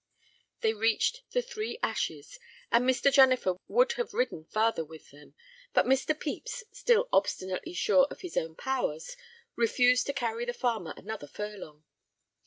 They reached the Three Ashes, and Mr. Jennifer would have ridden farther with them, but Mr. Pepys, still obstinately sure of his own powers, refused to carry the farmer another furlong.